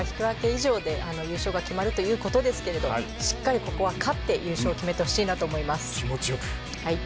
以上で優勝が決まるということですけどしっかりと、ここは勝って優勝を決めてほしいなと思います。